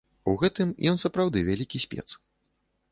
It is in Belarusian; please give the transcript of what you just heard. У гэтым ён сапраўды вялікі спец.